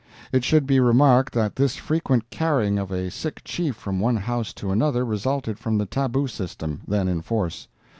It should be remarked that this frequent carrying of a sick chief from one house to another resulted from the tabu system, then in force.